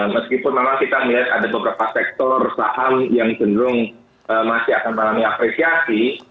meskipun memang kita melihat ada beberapa sektor saham yang cenderung masih akan mengalami apresiasi